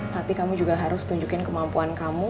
tapi kamu juga harus tunjukin kemampuan kamu